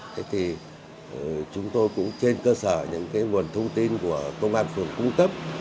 thế thì chúng tôi cũng trên cơ sở những nguồn thông tin của công an phường cung cấp